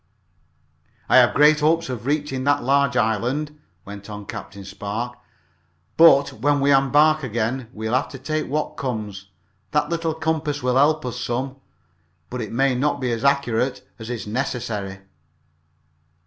"I have great hopes of reaching that large island," went on Captain Spark. "But, when we embark again, we'll have to take what comes. That little compass will help us some, but it may not be as accurate as is necessary."